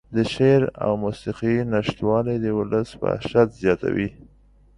د شعر او موسيقۍ نشتوالى د اولس وحشت زياتوي.